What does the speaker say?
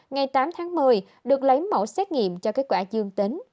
ngày tám tháng một mươi được lấy mẫu xét nghiệm cho kết quả dương tính